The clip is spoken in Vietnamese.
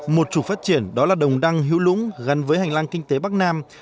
một trục phát triển đó là đồng đăng hiếu lũng gắn với hành lang kinh tế bắc nam